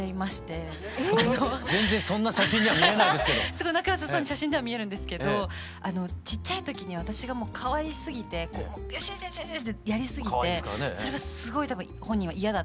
すごい仲よさそうに写真では見えるんですけどちっちゃい時に私がもうかわいすぎてこうよしよしよしよしってやりすぎてそれがすごい多分本人は嫌だったみたいで。